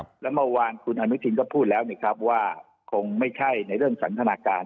แล้วเมื่อวานคุณอนุทินก็พูดแล้วว่าคงไม่ใช่ในเรื่องสันทนาการ